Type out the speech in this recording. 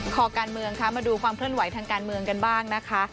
คอการเมืองคะมาดูความเคลื่อนไหวทางการเมืองกันบ้างนะคะ